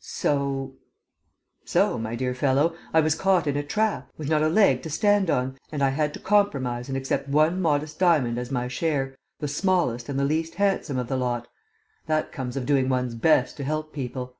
"So ...?" "So, my dear fellow, I was caught in a trap, with not a leg to stand on, and I had to compromise and accept one modest diamond as my share, the smallest and the least handsome of the lot. That comes of doing one's best to help people!"